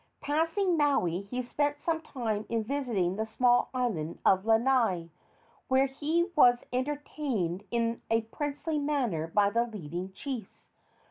Passing Maui, he spent some time in visiting the small island of Lanai, where he was entertained in a princely manner by the leading chiefs.